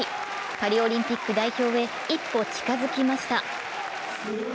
パリオリンピック代表へ一歩近づきました。